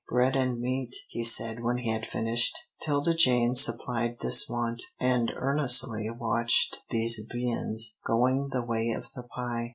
"Bread and meat," he said when he had finished. 'Tilda Jane supplied this want, and earnestly watched these viands going the way of the pie.